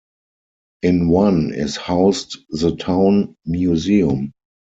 In one is housed the town museum.